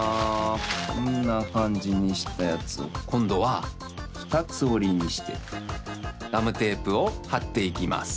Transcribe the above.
こんなかんじにしたやつをこんどはふたつおりにしてガムテープをはっていきます。